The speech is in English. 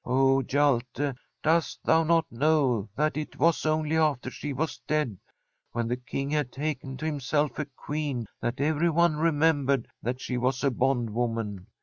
Oh, Hjalte, dost thou [178I ASTRID not know that it was only after she was dead, when the King had taken to himself a Queen, that everyone remembered that she was a bond woman?